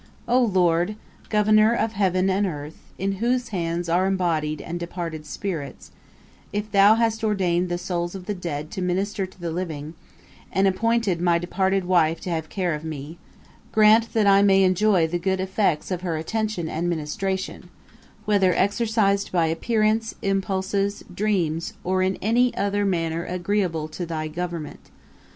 'O Lord! Governour of heaven and earth, in whose hands are embodied and departed Spirits, if thou hast ordained the Souls of the Dead to minister to the Living, and appointed my departed Wife to have care of me, grant that I may enjoy the good effects of her attention and ministration, whether exercised by appearance, impulses, dreams or in any other manner agreeable to thy Government.